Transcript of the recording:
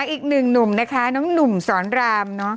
อีกหนึ่งหนุ่มนะคะน้องหนุ่มสอนรามเนอะ